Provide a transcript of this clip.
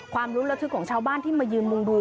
ลุ้นระทึกของชาวบ้านที่มายืนมุงดู